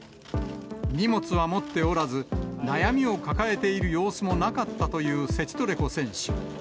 荷物は持っておらず、悩みを抱えている様子もなかったというセチトレコ選手。